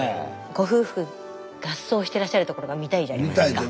ご夫婦合奏してらっしゃるところが見たいじゃないですか。